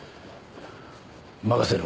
任せる。